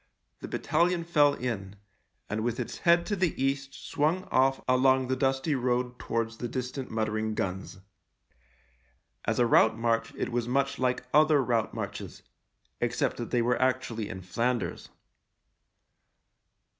The battalion fell in, and with its head to the east swung off along the dusty road towards the distant muttering guns. As a route march it was much like other route marches — except THE LIEUTENANT 13 that they were actually in Flanders.